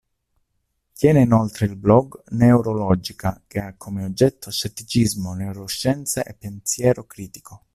Tiene inoltre il blog "Neurologica", che ha come oggetto "scetticismo, neuroscienze e pensiero critico".